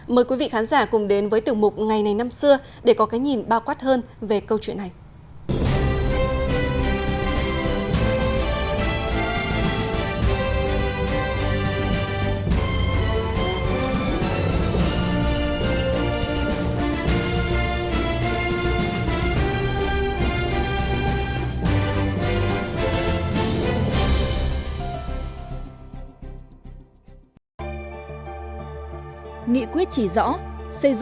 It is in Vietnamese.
mời quý vị khán giả cùng đến với tử mục ngày này năm xưa để có cái nhìn bao quát hơn về câu chuyện này